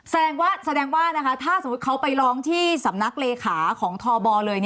แสดงว่าถ้าสมมุติเขาไปร้องที่สำนักเลขาของทบ